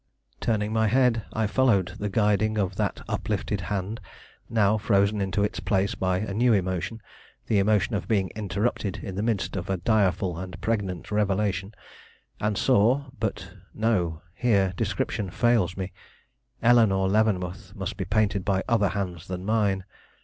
Turning my head, I followed the guiding of that uplifted hand, now frozen into its place by a new emotion: the emotion of being interrupted in the midst of a direful and pregnant revelation, and saw but, no, here description fails me! Eleanore Leavenworth must be painted by other hands than mine.